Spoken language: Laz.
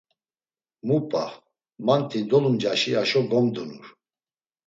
Mu p̌a, manti dolumcaşi aşo gomdunur.